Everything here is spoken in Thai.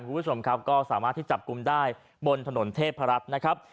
คุณผู้ชมครับก็สามารถที่จับกลุ่มได้บนถนนเทพรัฐนะครับ